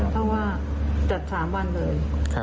เพราะว่าจัด๓วันเลย